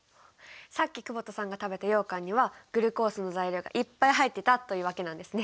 さっき久保田さんが食べたようかんにはグルコースの材料がいっぱい入ってたというわけなんですね。